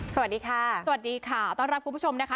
สวัสดีค่ะสวัสดีค่ะต้อนรับคุณผู้ชมนะคะ